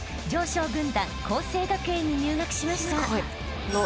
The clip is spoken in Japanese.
［常勝軍団佼成学園に入学しました］